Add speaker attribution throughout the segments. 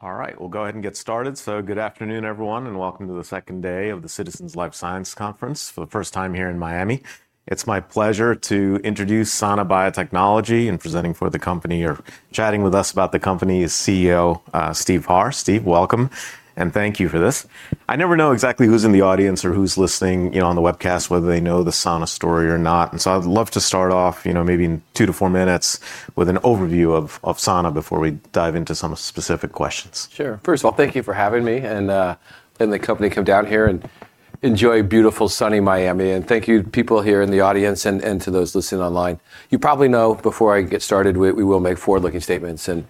Speaker 1: All right, we'll go ahead and get started. Good afternoon, everyone, and welcome to the second day of the Citizens Life Sciences Conference for the first time here in Miami. It's my pleasure to introduce Sana Biotechnology. Presenting for the company or chatting with us about the company is CEO Steve Harr. Steve, welcome, and thank you for this. I never know exactly who's in the audience or who's listening, you know, on the webcast, whether they know the Sana story or not. I would love to start off maybe in two to four minutes with an overview of Sana before we dive into some specific questions.
Speaker 2: Sure. First of all, thank you for having me and the company come down here and enjoy beautiful, sunny Miami. Thank you people here in the audience and to those listening online. You probably know before I get started, we will make forward-looking statements and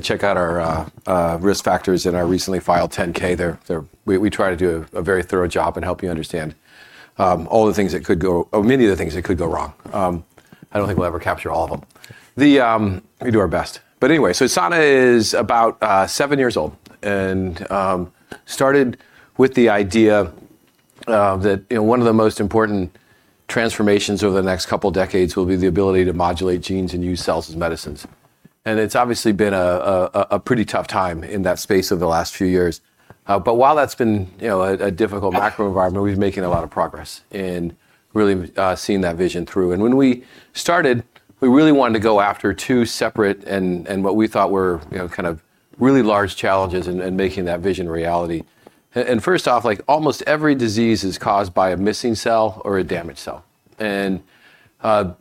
Speaker 2: check out our risk factors in our recently filed 10-K. They're. We try to do a very thorough job and help you understand many of the things that could go wrong. I don't think we'll ever capture all of them. We do our best. Anyway, so Sana is about seven years old and started with the idea that you know one of the most important transformations over the next couple decades will be the ability to modulate genes and use cells as medicines. It's obviously been a pretty tough time in that space over the last few years. While that's been you know a difficult macro environment, we've been making a lot of progress in really seeing that vision through. When we started, we really wanted to go after two separate and what we thought were you know kind of really large challenges in making that vision a reality. First off, like, almost every disease is caused by a missing cell or a damaged cell.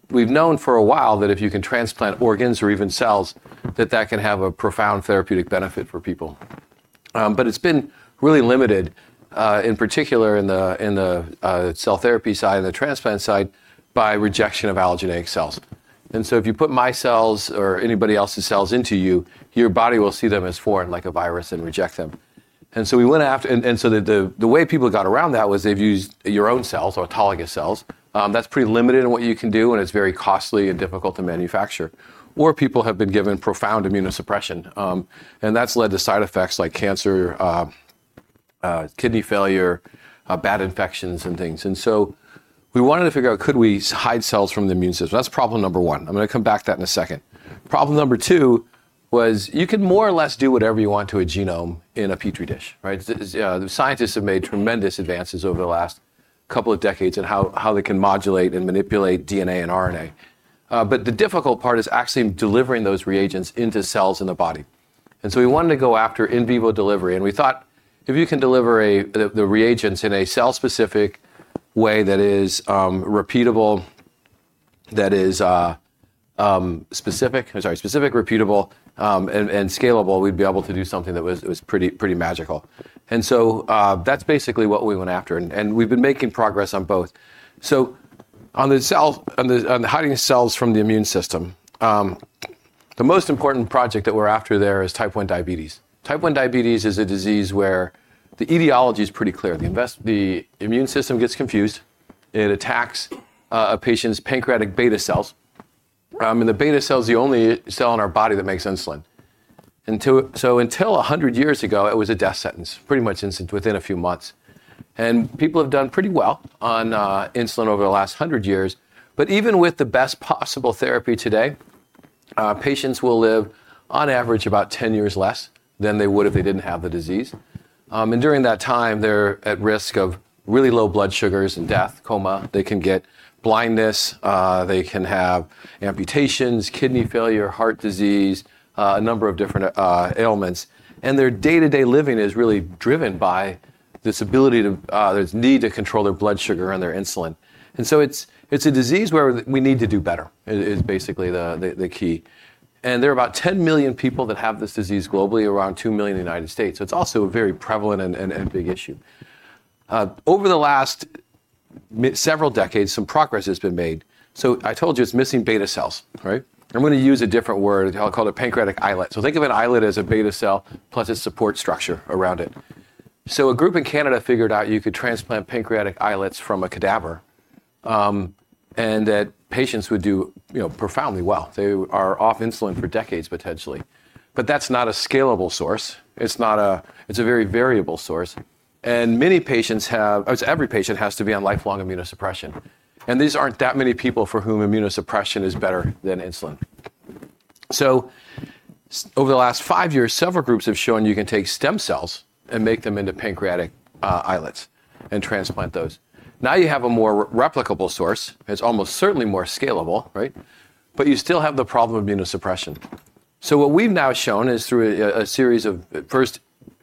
Speaker 2: We've known for a while that if you can transplant organs or even cells, that that can have a profound therapeutic benefit for people. But it's been really limited in particular in the cell therapy side and the transplant side by rejection of allogeneic cells. If you put my cells or anybody else's cells into you, your body will see them as foreign, like a virus, and reject them. The way people got around that was they've used your own cells or autologous cells. That's pretty limited in what you can do, and it's very costly and difficult to manufacture. People have been given profound immunosuppression, and that's led to side effects like cancer, kidney failure, bad infections and things. We wanted to figure out, could we hide cells from the immune system? That's problem number one. I'm gonna come back to that in a second. Problem number two was you can more or less do whatever you want to a genome in a Petri dish, right? The scientists have made tremendous advances over the last couple of decades in how they can modulate and manipulate DNA and RNA. But the difficult part is actually delivering those reagents into cells in the body. We wanted to go after in vivo delivery, and we thought if you can deliver the reagents in a cell-specific way that is specific, repeatable, and scalable, we'd be able to do something that was pretty magical. That's basically what we went after and we've been making progress on both. On hiding cells from the immune system, the most important project that we're after there is Type 1 diabetes. Type 1 diabetes is a disease where the etiology is pretty clear. The immune system gets confused. It attacks a patient's pancreatic beta cells. The beta cell is the only cell in our body that makes insulin. Until 100 years ago, it was a death sentence, pretty much instant, within a few months. People have done pretty well on insulin over the last 100 years, but even with the best possible therapy today, patients will live on average about 10 years less than they would if they didn't have the disease. During that time, they're at risk of really low blood sugars and death, coma. They can get blindness. They can have amputations, kidney failure, heart disease, a number of different ailments. Their day-to-day living is really driven by this need to control their blood sugar and their insulin. It's a disease where we need to do better is basically the key. There are about 10 million people that have this disease globally, around two million in the United States. It's also very prevalent and big issue. Over the last several decades, some progress has been made. I told you it's missing beta cells, right? I'm gonna use a different word. I'll call it pancreatic islet. Think of an islet as a beta cell plus its support structure around it. A group in Canada figured out you could transplant pancreatic islets from a cadaver, and that patients would do profoundly well. They are off insulin for decades, potentially. That's not a scalable source. It's a very variable source. Every patient has to be on lifelong immunosuppression. These aren't that many people for whom immunosuppression is better than insulin. Over the last five years, several groups have shown you can take stem cells and make them into pancreatic islets and transplant those. Now you have a more replicable source, it's almost certainly more scalable, right? You still have the problem of immunosuppression. What we've now shown is through a series of first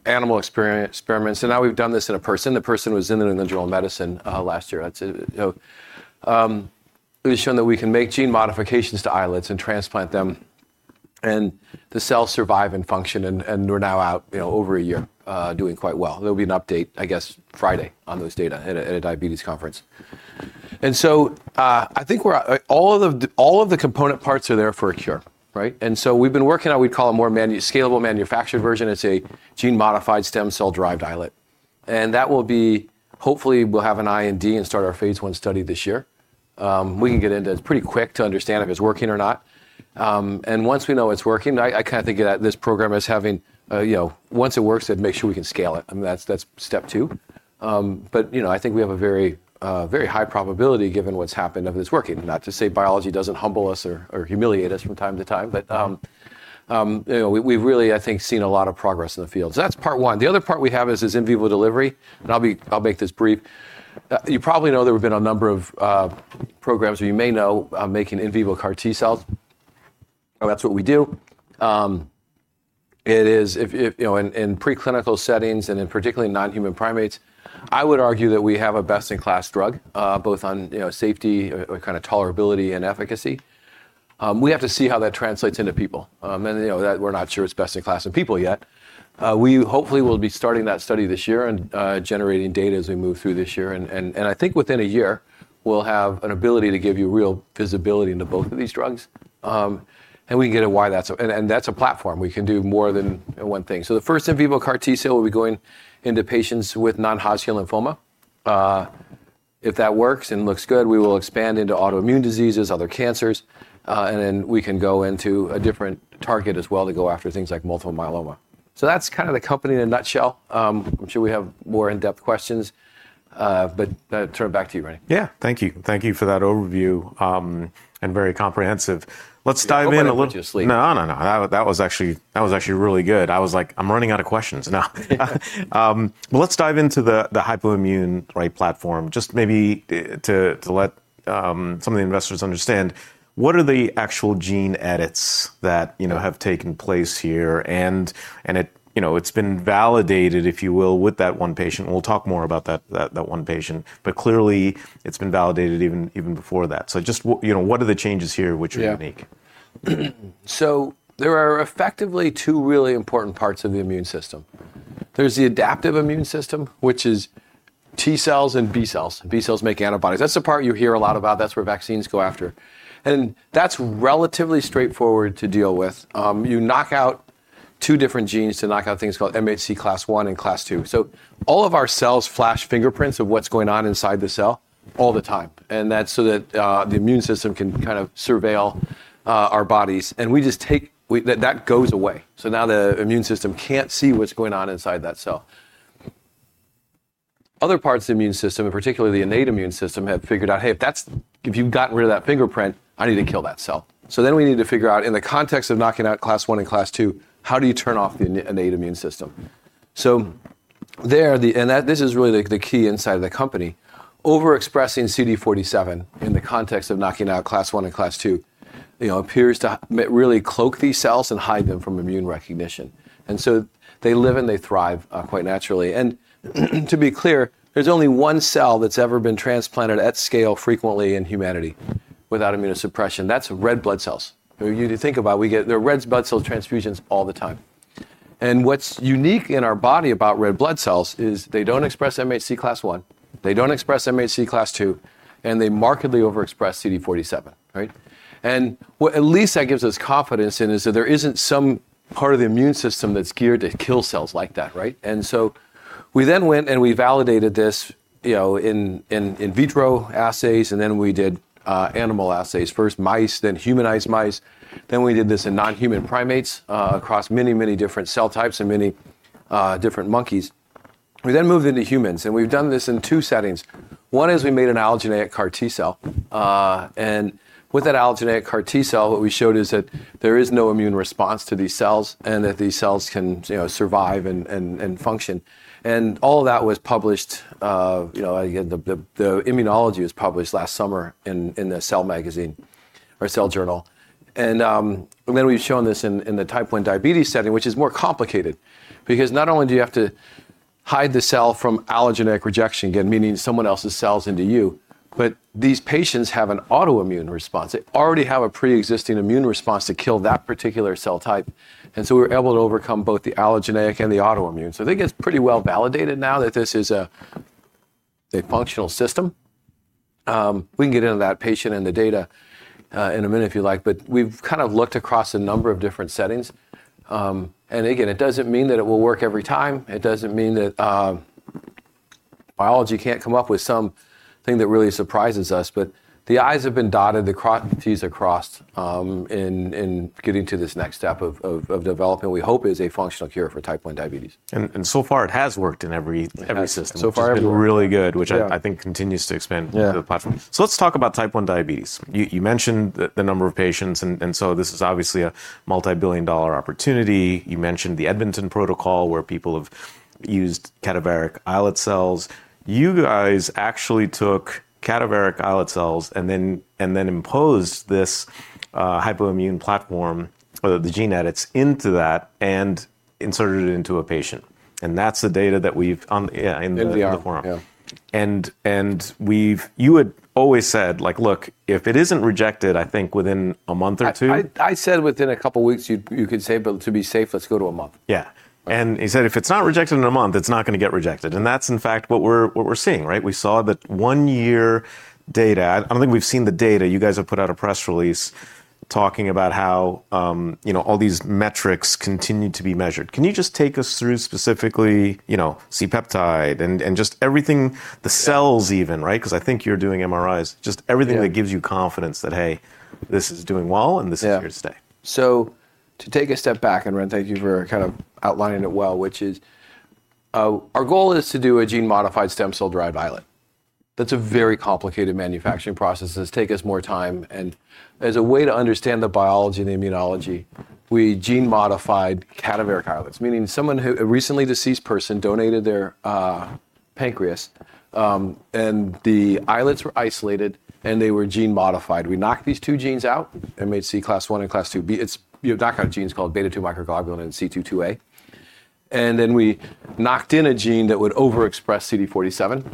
Speaker 2: animal experiments, and now we've done this in a person. The person was in the New England Journal of Medicine last year. That's we've shown that we can make gene modifications to islets and transplant them, and the cells survive and function, and we're now out over a year doing quite well. There'll be an update, I guess, Friday on those data at a diabetes conference. I think all of the component parts are there for a cure, right? We've been working on what we call a more scalable manufactured version. It's a gene-modified stem cell-derived islet. Hopefully, we'll have an IND and start our phase one study this year. We can get into it pretty quick to understand if it's working or not. Once we know it's working, I kinda think of that this program as having, you know, once it works, then make sure we can scale it. I mean, that's step two. I think we have a very high probability, given what's happened, of this working. Not to say biology doesn't humble us or humiliate us from time to time, but we've really, I think, seen a lot of progress in the field. That's part one. The other part we have is this in vivo delivery, and I'll make this brief. You probably know there have been a number of programs, or you may know, making in vivo CAR T cells. That's what we do. It is, if in preclinical settings and in particular non-human primates, I would argue that we have a best-in-class drug both on safety, tolerability and efficacy. We have to see how that translates into people. That we're not sure it's best in class in people yet. We hopefully will be starting that study this year and generating data as we move through this year. I think within a year we'll have an ability to give you real visibility into both of these drugs. That's a platform. We can do more than one thing. The first in vivo CAR T cell will be going into patients with non-Hodgkin lymphoma. If that works and looks good, we will expand into autoimmune diseases, other cancers, and then we can go into a different target as well to go after things like multiple myeloma. That's kind of the company in a nutshell. I'm sure we have more in-depth questions. Turn it back to you, Reni.
Speaker 1: Yeah. Thank you. Thank you for that overview, and very comprehensive. Let's dive in a little.
Speaker 2: Hope I didn't put you to sleep.
Speaker 1: No, no. That was actually really good. I was like, "I'm running out of questions now." Let's dive into the hypoimmune, right, platform, just maybe to let some of the investors understand, what are the actual gene edits that, you know, have taken place here? It's been validated, if you will, with that one patient, and we'll talk more about that one patient, but clearly it's been validated even before that. Just what are the changes here which are unique?
Speaker 2: Yeah. There are effectively two really important parts of the immune system. There's the adaptive immune system, which is T cells and B cells. B cells make antibodies. That's the part you hear a lot about. That's where vaccines go after, and that's relatively straightforward to deal with. You knock out two different genes to knock out things called MHC Class I and Class II. All of our cells flash fingerprints of what's going on inside the cell all the time, and that's so that the immune system can kind of surveil our bodies, and we just that goes away. Now the immune system can't see what's going on inside that cell. Other parts of the immune system, and particularly the innate immune system, have figured out, hey, if you've gotten rid of that fingerprint, I need to kill that cell. We need to figure out, in the context of knocking out Class I and Class II, how do you turn off the innate immune system? This is really, like, the key insight of the company., Overexpressing CD47 in the context of knocking out Class I and Class II appears to really cloak these cells and hide them from immune recognition. They live and they thrive quite naturally. To be clear, there's only one cell that's ever been transplanted at scale frequently in humanity without immunosuppression. That's red blood cells. You think about it, we get the red blood cell transfusions all the time. What's unique in our body about red blood cells is they don't express MHC Class I, they don't express MHC Class II, and they markedly overexpress CD47. Right? What at least that gives us confidence in is that there isn't some part of the immune system that's geared to kill cells like that, right? We then went and we validated this, you know, in vitro assays, and then we did animal assays, first mice, then humanized mice, then we did this in non-human primates, across many, many different cell types and many different monkeys. We then moved into humans, and we've done this in two settings. One is we made an allogeneic CAR T cell. With that allogeneic CAR T cell, what we showed is that there is no immune response to these cells and that these cells can survive and function. All of that was published. The immunology was published last summer in the Cell journal. Then we've shown this in the Type 1 diabetes setting, which is more complicated because not only do you have to hide the cell from allogeneic rejection, again, meaning someone else's cells into you, but these patients have an autoimmune response. They already have a preexisting immune response to kill that particular cell type. We're able to overcome both the allogeneic and the autoimmune. I think it's pretty well validated now that this is a functional system. We can get into that patient and the data in a minute if you like, but we've kind of looked across a number of different settings. Again, it doesn't mean that it will work every time. It doesn't mean that biology can't come up with something that really surprises us. The I's have been dotted, the T's are crossed in getting to this next step of development we hope is a functional cure for Type 1 diabetes.
Speaker 1: So far it has worked in every system.
Speaker 2: So far, it has worked.
Speaker 1: It's been really good.
Speaker 2: Yeah
Speaker 1: which I think continues to expand.
Speaker 2: Yeah
Speaker 1: the platform. Let's talk about Type 1 diabetes. You mentioned the number of patients, and so this is obviously a multi-billion dollar opportunity. You mentioned the Edmonton protocol, where people have used cadaveric islet cells. You guys actually took cadaveric islet cells and then imposed this hypoimmune platform, or the gene edits, into that and inserted it into a patient. That's the data that we have on in the-
Speaker 2: In the RV forum. Yeah.
Speaker 1: You had always said, like, look, if it isn't rejected, I think within a month or two-
Speaker 2: I said within a couple weeks. You could say, but to be safe, let's go to a month.
Speaker 1: Yeah. You said, "If it's not rejected in a month, it's not gonna get rejected." That's in fact what we're seeing, right? We saw the 1-year data. I don't think we've seen the data. You guys have put out a press release talking about how all these metrics continue to be measured. Can you just take us through specifically C-peptide and just everything, the cells even, right? 'Cause I think you're doing MRIs. Just everything.
Speaker 2: Yeah
Speaker 1: that gives you confidence that, hey, this is doing well.
Speaker 2: Yeah
Speaker 1: is here to stay.
Speaker 2: To take a step back and, Ren, thank you for kind of outlining it well, which is our goal is to do a gene-modified stem cell-derived islet. That's a very complicated manufacturing process. It takes us more time. As a way to understand the biology and the immunology, we gene-modified cadaveric islets, meaning a recently deceased person donated their pancreas, and the islets were isolated, and they were gene-modified. We knocked these two genes out and made MHC Class I and Class II. That kind of gene is called beta-2 microglobulin and CIITA. And then we knocked in a gene that would overexpress CD47,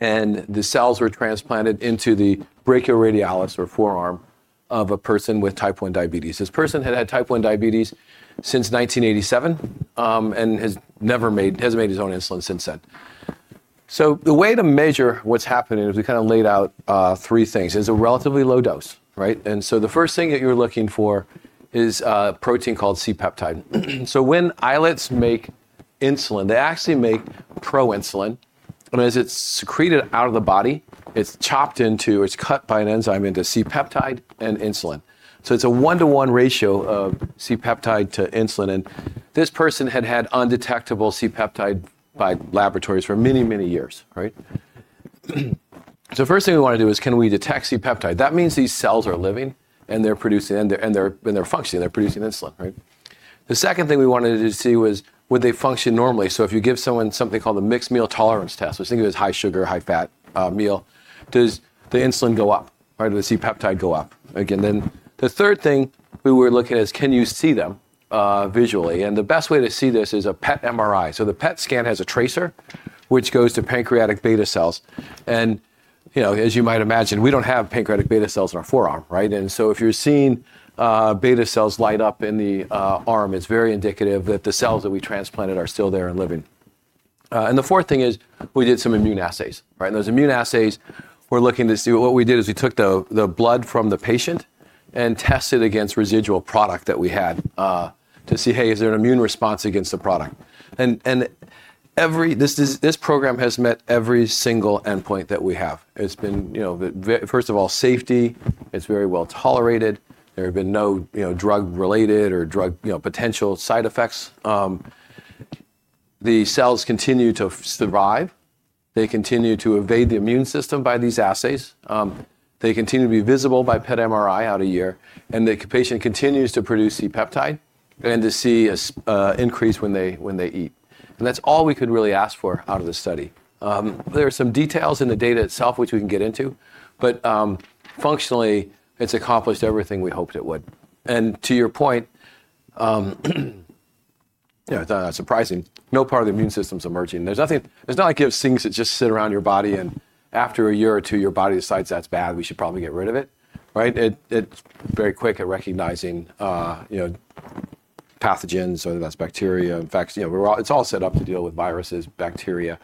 Speaker 2: and the cells were transplanted into the brachioradialis or forearm of a person with Type 1 diabetes. This person had Type 1 diabetes since 1987 and hasn't made his own insulin since then. The way to measure what's happening is we kind of laid out three things. It's a relatively low dose, right? The first thing that you're looking for is a protein called C-peptide. When islets make insulin, they actually make proinsulin, and as it's secreted out of the body, it's cut by an enzyme into C-peptide and insulin. It's a 1-to-1 ratio of C-peptide to insulin, and this person had undetectable C-peptide by laboratories for many, many years, right? First thing we wanna do is can we detect C-peptide? That means these cells are living and they're producing and they're functioning, they're producing insulin, right? The second thing we wanted to see was would they function normally? If you give someone something called a mixed meal tolerance test, so just think of it as high sugar, high fat, meal, does the insulin go up, or do the C-peptide go up? Again, the third thing we were looking at is can you see them, visually? The best way to see this is a PET-MRI. The PET scan has a tracer which goes to pancreatic beta cells. You know, as you might imagine, we don't have pancreatic beta cells in our forearm, right? If you're seeing, beta cells light up in the, arm, it's very indicative that the cells that we transplanted are still there and living. The fourth thing is we did some immune assays, right? Those immune assays we're looking to see. What we did is we took the blood from the patient and tested against residual product that we had to see, hey, is there an immune response against the product? This program has met every single endpoint that we have. It's been, you know, first of all, safety, it's very well tolerated. There have been no, you know, drug-related or drug, you know, potential side effects. The cells continue to survive. They continue to evade the immune system by these assays. They continue to be visible by PET-MRI out a year, and the patient continues to produce C-peptide and to see an increase when they eat. That's all we could really ask for out of the study. There are some details in the data itself which we can get into, but, functionally, it's accomplished everything we hoped it would. To your point, you know, it's not surprising. No part of the immune system is emerging. It's not like you have things that just sit around your body, and after a year or two, your body decides, that's bad, we should probably get rid of it, right? It's very quick at recognizing, you know, pathogens, whether that's bacteria. In fact, you know, it's all set up to deal with viruses, bacteria.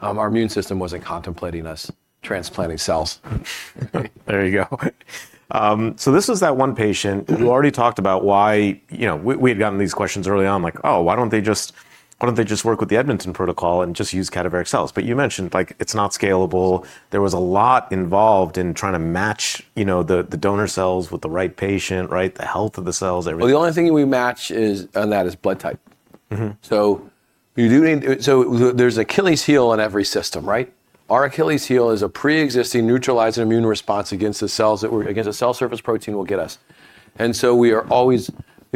Speaker 2: Our immune system wasn't contemplating us transplanting cells.
Speaker 1: There you go. This was that one patient.
Speaker 2: Mm-hmm.
Speaker 1: You already talked about why, you know, we had gotten these questions early on, like, "Oh, why don't they just work with the Edmonton protocol and just use cadaveric cells?" You mentioned, like, it's not scalable. There was a lot involved in trying to match, you know, the donor cells with the right patient, right? The health of the cells, everything.
Speaker 2: Well, the only thing we match on is blood type.
Speaker 1: Mm-hmm.
Speaker 2: There's an Achilles heel in every system, right? Our Achilles heel is a preexisting neutralizing immune response against the cell surface protein will get us. You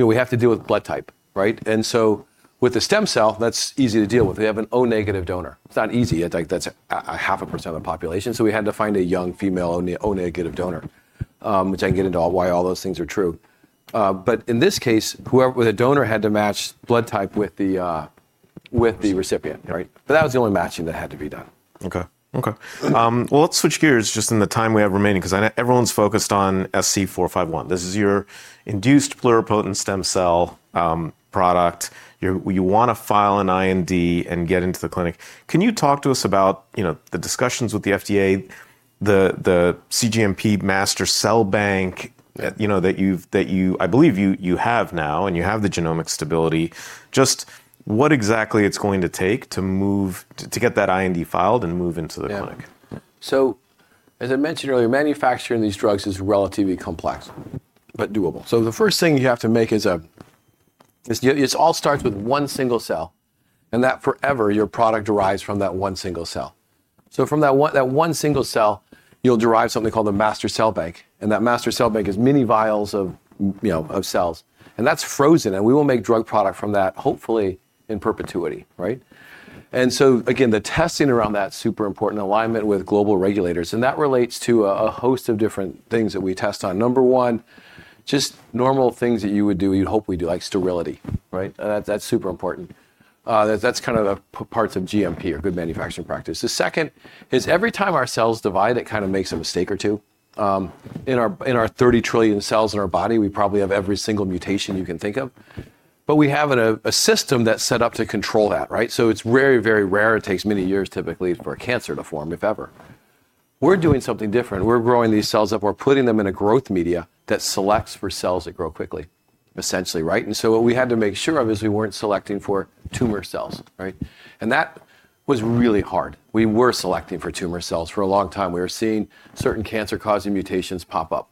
Speaker 2: know, we have to deal with blood type, right? With the stem cell, that's easy to deal with. We have an O-negative donor. It's not easy. It's like that's a 0.5% of the population, so we had to find a young female O-negative donor, which I can get into why all those things are true. In this case, the donor had to match blood type with the recipient.
Speaker 1: Right.
Speaker 2: that was the only matching that had to be done.
Speaker 1: Okay. Well, let's switch gears just in the time we have remaining, 'cause I know everyone's focused on SC451. This is your induced pluripotent stem cell product. You wanna file an IND and get into the clinic. Can you talk to us about, you know, the discussions with the FDA, the cGMP master cell bank, you know, that you, I believe you have now and you have the genomic stability. Just what exactly it's going to take to get that IND filed and move into the clinic?
Speaker 2: Yeah. As I mentioned earlier, manufacturing these drugs is relatively complex but doable. The first thing you have to make is This, this all starts with one single cell, and that forever your product derives from that one single cell. From that one single cell, you'll derive something called the master cell bank, and that master cell bank is many vials of, you know, of cells. That's frozen, and we will make drug product from that, hopefully in perpetuity, right? The testing around that super important alignment with global regulators, and that relates to a host of different things that we test on. Number one, just normal things that you'd hope we do, like sterility, right? That's super important. That's kind of the parts of GMP or good manufacturing practice. The second is every time our cells divide, it kinda makes a mistake or two. In our 30 trillion cells in our body, we probably have every single mutation you can think of. We have a system that's set up to control that, right? It's very, very rare. It takes many years typically for a cancer to form, if ever. We're doing something different. We're growing these cells up. We're putting them in a growth media that selects for cells that grow quickly, essentially, right? What we had to make sure of is we weren't selecting for tumor cells, right? That was really hard. We were selecting for tumor cells for a long time. We were seeing certain cancer-causing mutations pop up.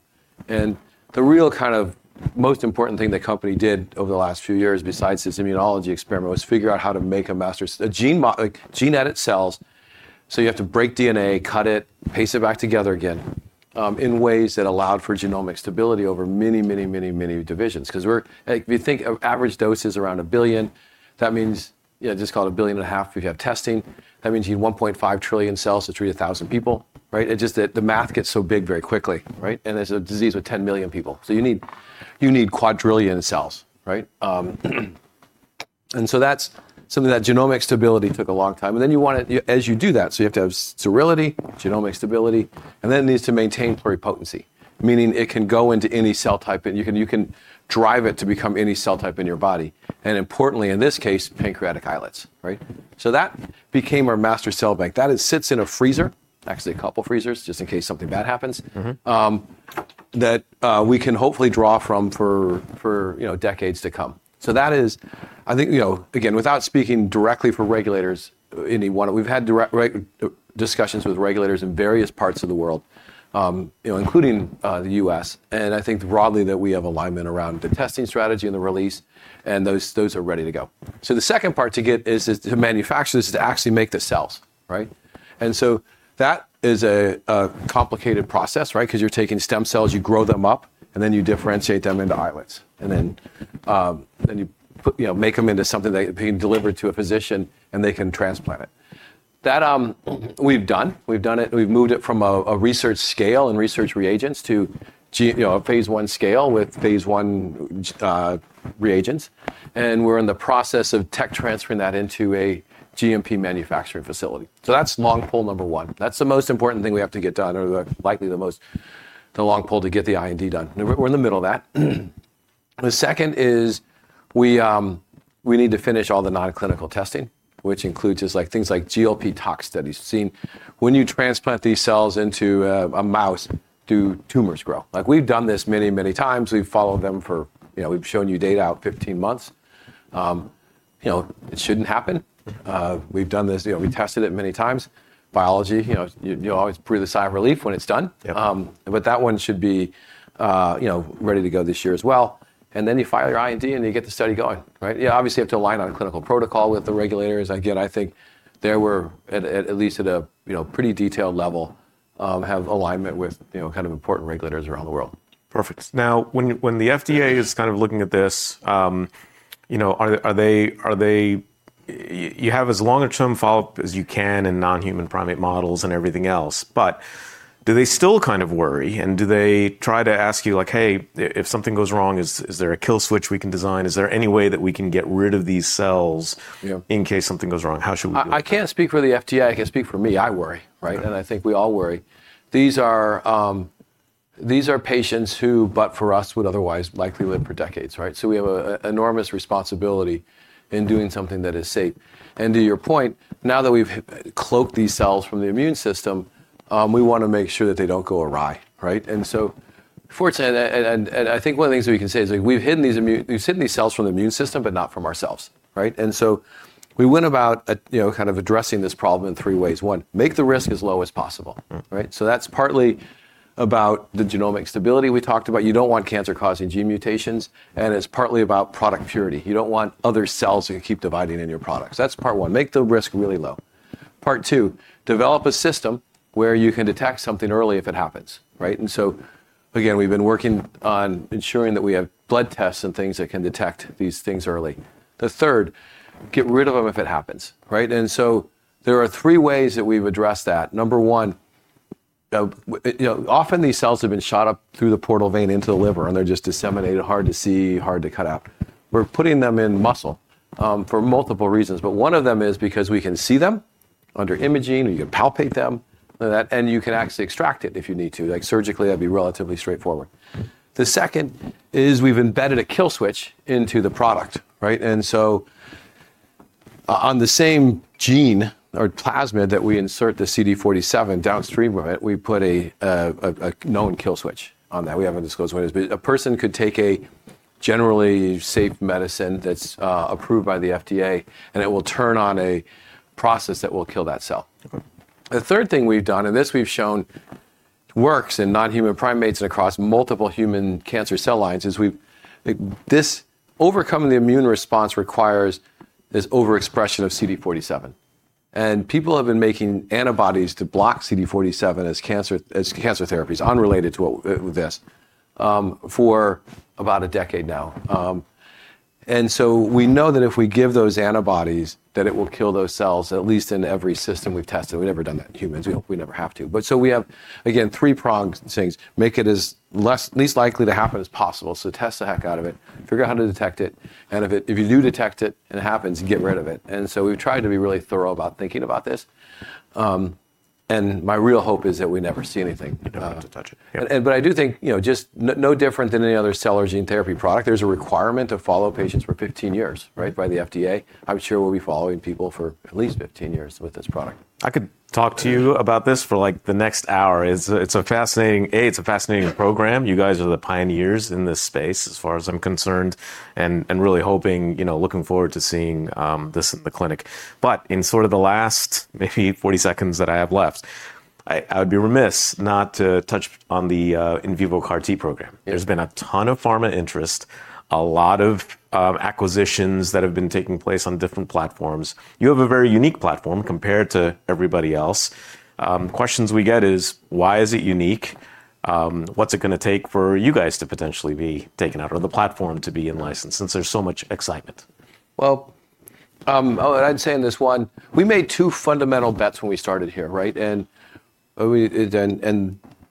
Speaker 2: The real kind of most important thing the company did over the last few years besides this immunology experiment was figure out how to make a master cell bank, like, gene-edit cells, so you have to break DNA, cut it, paste it back together again, in ways that allowed for genomic stability over many, many, many, many divisions. Because, like, if you think of average dose is around 1 billion, that means, you know, just call it 1.5 billion if you have testing, that means you need 1.5 trillion cells to treat 1,000 people, right? The math gets so big very quickly, right? This is a disease with 10 million people. You need 1 quadrillion cells, right? That's something that genomic stability took a long time. You want it as you do that, so you have to have durability, genomic stability, and then it needs to maintain pluripotency, meaning it can go into any cell type and you can drive it to become any cell type in your body. Importantly, in this case, pancreatic islets, right? That became our master cell bank. That sits in a freezer, actually a couple freezers just in case something bad happens.
Speaker 1: Mm-hmm
Speaker 2: that we can hopefully draw from for you know decades to come. That is, I think again, without speaking directly for regulators, any one of. We've had direct discussions with regulators in various parts of the world including the U.S., and I think broadly that we have alignment around the testing strategy and the release, and those are ready to go. The second part to get is to manufacture this, to actually make the cells, right? That is a complicated process, right? Beause you're taking stem cells, you grow them up, and then you differentiate them into islets. Then you put you know make them into something that can be delivered to a physician, and they can transplant it. That we've done. We've done it, we've moved it from a research scale and research reagents to, you know, a phase one scale with phase one reagents. We're in the process of tech transferring that into a GMP manufacturing facility. That's long pole number one. That's the most important thing we have to get done, or likely the most, the long pole to get the IND done. We're in the middle of that. The second is we need to finish all the non-clinical testing, which includes just, like, things like GLP toxicology studies. When you transplant these cells into a mouse, do tumors grow? Like, we've done this many times. We've followed them for we've shown you data out 15 months. You know, it shouldn't happen. We've done this we tested it many times. Biology you always breathe a sigh of relief when it's done.
Speaker 1: Yep.
Speaker 2: that one should be, you know, ready to go this year as well. Then you file your IND, and you get the study going, right? You obviously have to align on a clinical protocol with the regulators. Again, I think there we're at least at a pretty detailed level of have alignment with kind of important regulators around the world.
Speaker 1: Perfect. Now, when the FDA is kind of looking at this, are they? You have as long-term follow-up as you can in non-human primate models and everything else. But do they still kind of worry, and do they try to ask you like, "Hey, if something goes wrong, is there a kill switch we can design? Is there any way that we can get rid of these cells?
Speaker 2: Yeah
Speaker 1: in case something goes wrong? How should we do it?
Speaker 2: I can't speak for the FDA. I can speak for me. I worry, right?
Speaker 1: Yeah.
Speaker 2: I think we all worry. These are patients who, but for us, would otherwise likely live for decades, right? We have an enormous responsibility in doing something that is safe. To your point, now that we've hypoimmune-cloaked these cells from the immune system, we wanna make sure that they don't go awry, right? Fortunately, I think one of the things we can say is like we've hidden these cells from the immune system, but not from ourselves, right? We went about kind of addressing this problem in three ways. One, make the risk as low as possible, right?
Speaker 1: Mm.
Speaker 2: That's partly about the genomic stability we talked about. You don't want cancer-causing gene mutations, and it's partly about product purity. You don't want other cells to keep dividing in your products. That's part one, make the risk really low. Part two, develop a system where you can detect something early if it happens, right? Again, we've been working on ensuring that we have blood tests and things that can detect these things early. The third, get rid of them if it happens, right? There are three ways that we've addressed that. Number one, Often these cells have been shot up through the portal vein into the liver, and they're just disseminated, hard to see, hard to cut out. We're putting them in muscle, for multiple reasons, but one of them is because we can see them under imaging, and you can palpate them and that, and you can actually extract it if you need to. Like, surgically, that'd be relatively straightforward. The second is we've embedded a kill switch into the product, right? On the same gene or plasmid that we insert the CD47 downstream of it, we put a known kill switch on that. We haven't disclosed what it is, but a person could take a generally safe medicine that's approved by the FDA, and it will turn on a process that will kill that cell.
Speaker 1: Okay.
Speaker 2: The third thing we've done, and this we've shown works in non-human primates and across multiple human cancer cell lines, is we've overcoming the immune response requires this overexpression of CD47. People have been making antibodies to block CD47 as cancer therapies unrelated to with this, for about a decade now. We know that if we give those antibodies, that it will kill those cells, at least in every system we've tested. We've never done that in humans. We hope we never have to. We have, again, three pronged things. Make it least likely to happen as possible. Test the heck out of it, figure out how to detect it, and if you do detect it and it happens, get rid of it. We've tried to be really thorough about thinking about this. My real hope is that we never see anything.
Speaker 1: You don't have to touch it. Yeah.
Speaker 2: I do think, you know, just no different than any other cell or gene therapy product, there's a requirement to follow patients for 15 years, right, by the FDA. I'm sure we'll be following people for at least 15 years with this product.
Speaker 1: I could talk to you about this for, like, the next hour. It's a fascinating program. You guys are the pioneers in this space as far as I'm concerned, and really hoping, you know, looking forward to seeing this in the clinic. In sort of the last maybe 40 seconds that I have left, I'd be remiss not to touch on the in vivo CAR T program.
Speaker 2: Yeah.
Speaker 1: There's been a ton of pharma interest, a lot of acquisitions that have been taking place on different platforms. You have a very unique platform compared to everybody else. Questions we get is, "Why is it unique? What's it gonna take for you guys to potentially be taken out or the platform to be in license since there's so much excitement?
Speaker 2: Well, I'd say in this one, we made two fundamental bets when we started here, right?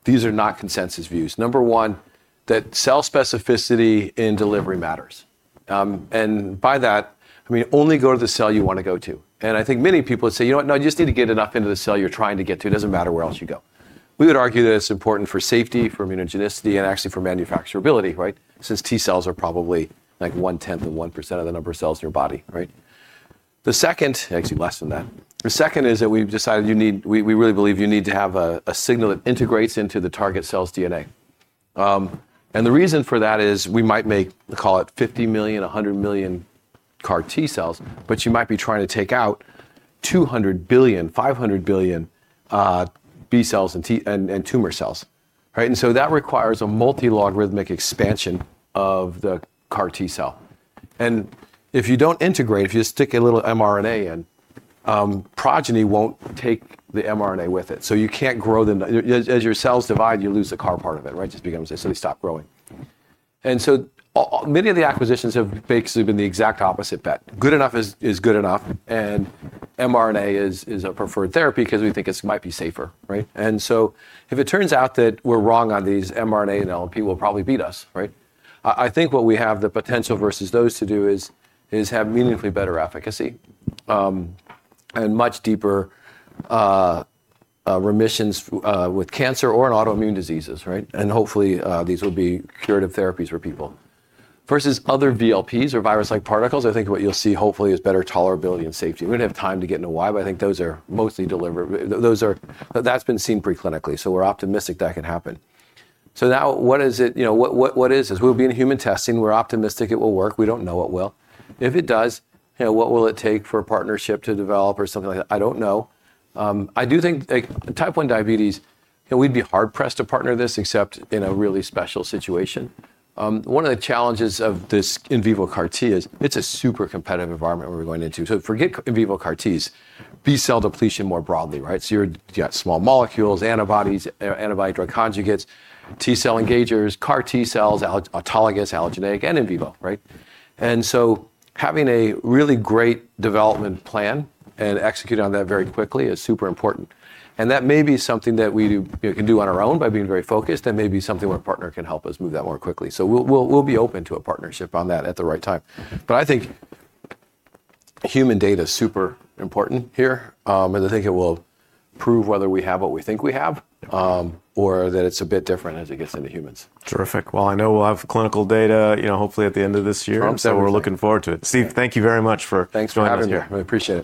Speaker 2: These are not consensus views. Number one, that cell specificity in delivery matters. By that, I mean only go to the cell you wanna go to. I think many people would say, "You know what? No, you just need to get enough into the cell you're trying to get to. It doesn't matter where else you go." We would argue that it's important for safety, for immunogenicity, and actually for manufacturability, right? Since T cells are probably like one-tenth of 1% of the number of cells in your body, right? The second. Actually, less than that. The second is that we've decided we really believe you need to have a signal that integrates into the target cell's DNA. The reason for that is we might make, call it 50 million, 100 million CAR T-cells, but you might be trying to take out 200 billion, 500 billion B cells and tumor cells, right? That requires a multi-logarithmic expansion of the CAR T-cell. If you don't integrate, if you just stick a little mRNA in, progeny won't take the mRNA with it, so you can't grow them. As your cells divide, you lose the CAR part of it, right? Just becomes. They suddenly stop growing. Many of the acquisitions have basically been the exact opposite bet. Good enough is good enough, and mRNA is a preferred therapy 'cause we think it might be safer, right? If it turns out that we're wrong on these mRNA and LNP will probably beat us, right? I think what we have the potential versus those to do is have meaningfully better efficacy, and much deeper remissions with cancer or in autoimmune diseases, right? Hopefully these will be curative therapies for people. Versus other VLPs or virus-like particles, I think what you'll see hopefully is better tolerability and safety. We don't have time to get into why, but I think that's been seen pre-clinically, so we're optimistic that can happen. Now what is it? You know, what is this? We'll be in human testing. We're optimistic it will work. We don't know it will. If it does, you know, what will it take for a partnership to develop or something like that? I don't know. I do think, like, Type 1 diabetes we'd be hard-pressed to partner this except in a really special situation. One of the challenges of this in vivo CAR-T is it's a super competitive environment where we're going into. Forget in vivo CAR-Ts. B cell depletion more broadly, right? You got small molecules, antibodies, antibody drug conjugates, T-cell engagers, CAR T-cells, autologous, allogeneic, and in vivo, right? Having a really great development plan and execute on that very quickly is super important. That may be something that we do, you know, can do on our own by being very focused, and may be something where a partner can help us move that more quickly. We'll be open to a partnership on that at the right time. I think human data is super important here. I think it will prove whether we have what we think we have, or that it's a bit different as it gets into humans.
Speaker 1: Terrific. Well, I know we'll have clinical data, you know, hopefully at the end of this year.
Speaker 2: I'm so-
Speaker 1: We're looking forward to it. Steve, thank you very much for joining us here.
Speaker 2: Thanks for having me. I appreciate it.